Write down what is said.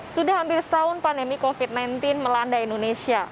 sudah hampir setahun pandemi covid sembilan belas melanda indonesia